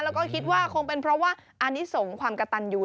แล้วก็คิดว่าคงเป็นเพราะว่าอันนี้ส่งความกระตันอยู่